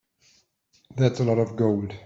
That's a lot of gold.